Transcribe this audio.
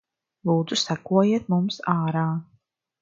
Lūdzu sekojiet mums ārā.